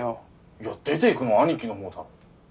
いや出ていくのは兄貴のほうだろ。